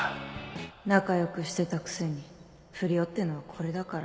仲良くしてたくせに不良ってのはこれだから